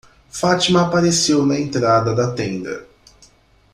Fátima apareceu na entrada da tenda.